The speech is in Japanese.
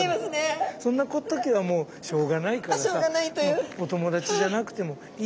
そんな時はもうしょうがないからさお友達じゃなくてもいいの。